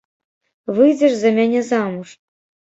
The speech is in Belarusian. Выйдзеш за мяне замуж?